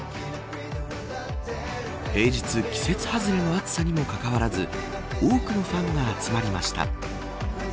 平日季節外れの暑さにもかかわらず多くのファンが集まりました。